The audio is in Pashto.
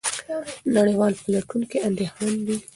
نړیوال پلټونکي اندېښمن دي.